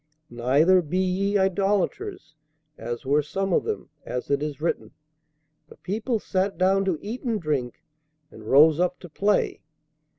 Neither, be ye idolators, as were some of them; as it is written, The people sat down to eat and drink, and rose up to play....